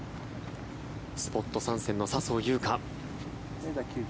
スポット参戦の笹生優花。